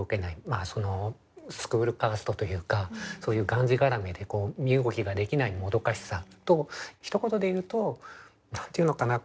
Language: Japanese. まあそのスクールカーストというかそういうがんじがらめで身動きができないもどかしさとひと言で言うと何て言うのかな